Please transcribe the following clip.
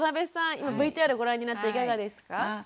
今ＶＴＲをご覧になっていかがでしたか？